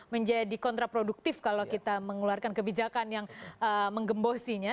menjadi kontraproduktif kalau kita mengeluarkan kebijakan yang menggembosinya